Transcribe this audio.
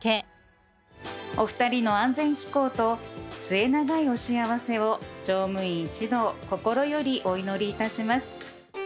お二人の安全飛行と末永いお幸せを乗務員一同心よりお祈りいたします。